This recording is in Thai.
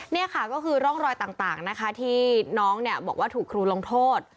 นี่ค่ะก็คือร่องรอยต่างนะคะที่น้องเนี่ยบอกว่าถูกครูลงโทษ